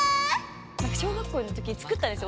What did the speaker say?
小学校の時作ったんですよ